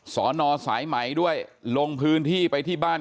สอนอสายไหมด้วยลงพื้นที่ไปที่บ้าน